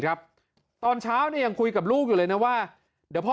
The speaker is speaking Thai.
ครับตอนเช้าเนี่ยยังคุยกับลูกอยู่เลยนะว่าเดี๋ยวพ่อ